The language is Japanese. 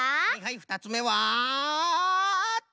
ふたつめは！？っと！